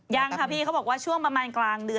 ยังค่ะพี่เขาบอกว่าช่วงประมาณกลางเดือน